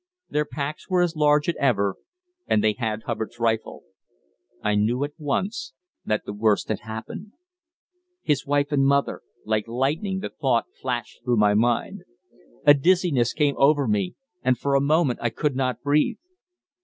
Their packs were as large as ever, and they had Hubbard's rifle. I knew at once that the worst had happened. "His wife and mother!" like lightning the thought flashed through my mind. A dizziness came over me, and for a moment I could not breathe.